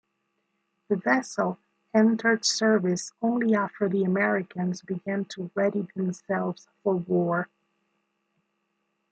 The vessel entered service only after the Americans began to ready themselves for war.